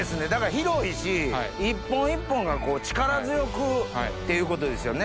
広いし１本１本がこう力強くっていうことですよね？